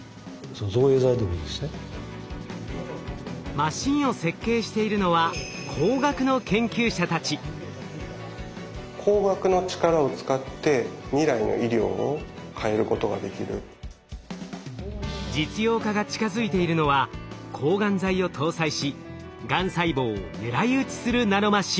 マシンを設計しているのは実用化が近づいているのは抗がん剤を搭載しがん細胞を狙い撃ちするナノマシン。